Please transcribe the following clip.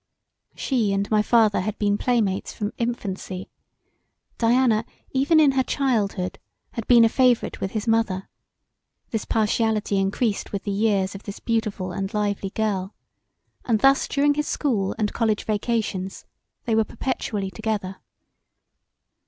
She and my father had been playmates from infancy: Diana, even in her childhood had been a favourite with his mother; this partiality encreased with the years of this beautiful and lively girl and thus during his school & college vacations they were perpetually together.